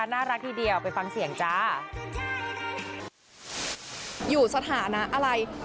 น่ารักที่เดียวไปฟังเสียงจ้า